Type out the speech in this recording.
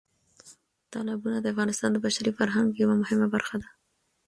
تالابونه د افغانستان د بشري فرهنګ یوه مهمه برخه ده.